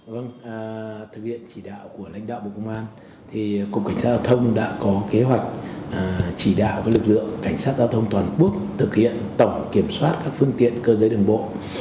vâng thực hiện chỉ đạo của lãnh đạo bộ công an thì cục cảnh sát giao thông đã có kế hoạch chỉ đạo lực lượng cảnh sát giao thông toàn quốc thực hiện tổng kiểm soát các phương tiện cơ giới đường bộ